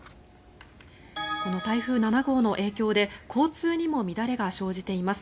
この台風７号の影響で交通にも乱れが生じています。